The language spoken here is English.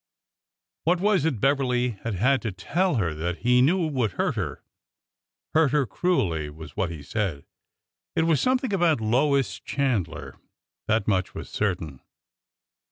What was it Beverly had had to tell her that he knew would hurt her?— ''hurt her cruelly'' was what he said. ... It was something about Lois Chandler — that much was certain.